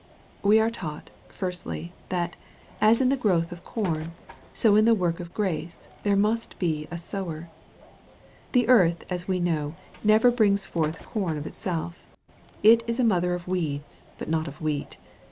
We are taught, firstly, that, as in the growth of corn, so in the work of grace, there must be a sower. . The earth, as we all know, never brings forth corn of itself. It is a mother of weeds, but not of wheat.